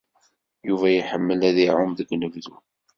Yuba iḥemmel ad iɛum deg unebdu.